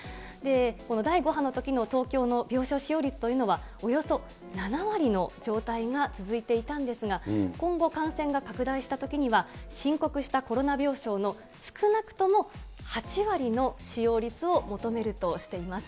この第５波のときの東京の病床使用率というのはおよそ７割の状態が続いていたんですが、今後、感染が拡大したときには、申告したコロナ病床の少なくとも８割の使用率を求めるとしています。